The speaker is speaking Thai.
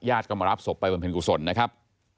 ญาติก็มารับศพไปบนเพลงกุศลนะครับ